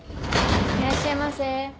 いらっしゃいませ。